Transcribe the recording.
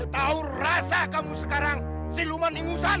tahu rasa kamu sekarang siluman imusan